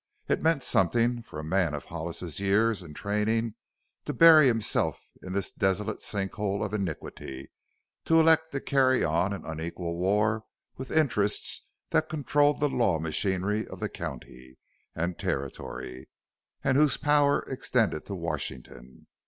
It meant something for a man of Hollis's years and training to bury himself in this desolate sink hole of iniquity; to elect to carry on an unequal war with interests that controlled the law machinery of the county and Territory whose power extended to Washington.